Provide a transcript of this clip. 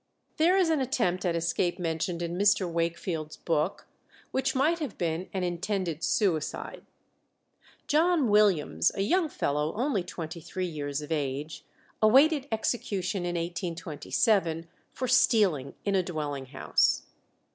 There is an attempt at escape mentioned in Mr. Wakefield's book, which might have been an intended suicide. John Williams, a young fellow only twenty three years of age, awaited execution in 1827 for stealing in a dwelling house.